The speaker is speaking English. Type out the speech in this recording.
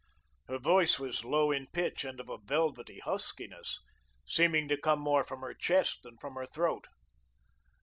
Her voice was low in pitch and of a velvety huskiness, seeming to come more from her chest than from her throat.